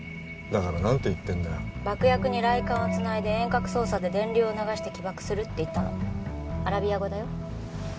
だから何て言ってんだよ「爆薬に雷管をつないで遠隔操作で電流を流して起爆する」って言ったのアラビア語だよ